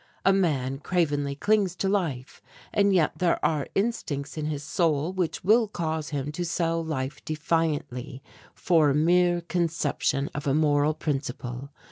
A man cravenly clings to life and yet there are instincts in his soul which will cause him to sell life defiantly for a mere conception of a moral principle.